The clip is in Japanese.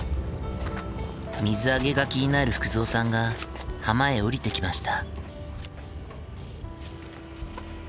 水揚げが気になる福蔵さんが浜へ下りてきました。